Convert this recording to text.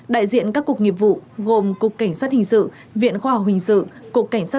đại diện các cục nghiệp vụ gồm cục cảnh sát hình sự viện khoa học hình sự cục cảnh sát